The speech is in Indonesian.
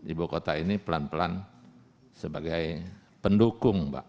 ibu kota ini pelan pelan sebagai pendukung pak